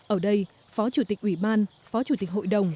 ở đây phó chủ tịch ủy ban phó chủ tịch hội đồng